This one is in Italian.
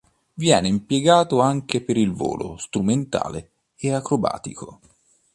Viene impiegato anche per il volo strumentale e acrobatico.